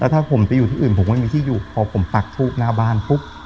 ถ้าผมไปอยู่ที่อื่นผมก็ไม่มีที่อยู่พอผมปักทูบหน้าบ้านปุ๊บ